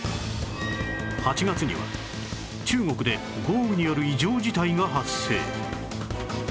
８月には中国で豪雨による異常事態が発生